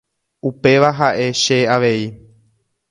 Upéva ha'e che avei.